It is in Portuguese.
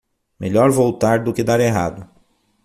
Melhor voltar do que dar errado.